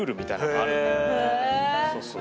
そうそう。